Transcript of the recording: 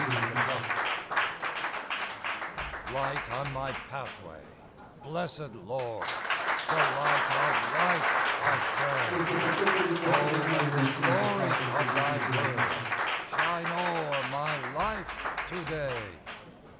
TO DAY Light on my pathway, blessed Lord, The light of life, I pray; O, let the glory of Thy word Shine o'er my life to day.